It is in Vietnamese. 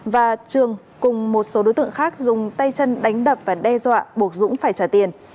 và trường cùng một số đối tượng khác dùng tay chân đánh đập và đe dọa buộc dũng phải trả tiền